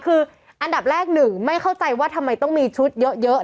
คืออันดับแรกหนึ่งไม่เข้าใจว่าทำไมต้องมีชุดเยอะ